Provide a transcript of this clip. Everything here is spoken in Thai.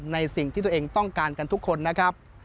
ในสิ่งที่ตัวเองต้องการกันทุกคนนะครับ